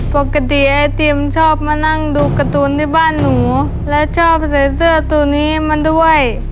ปกติไอติมชอบมานั่งดูการ์ตูนที่บ้านหนูและชอบใส่เสื้อตัวนี้มาด้วย